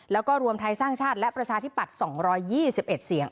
แล้วก็รวมไทยสร้างชาติและประชาธิปัตย์๒๒๑เสียง